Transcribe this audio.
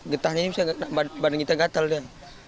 getahnya ini bisa kena badan kita gatel dia